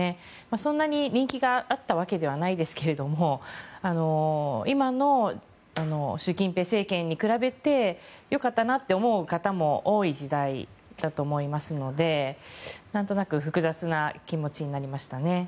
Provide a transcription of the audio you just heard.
そんなに人気があったわけではないですけれど今の習近平政権に比べてよかったなと思う方も多い時代だと思いますのでなんとなく複雑な気持ちになりましたね。